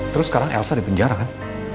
terus sekarang elsa di penjara kan